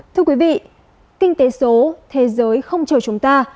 thưa quý vị kinh tế số thế giới không chờ chúng ta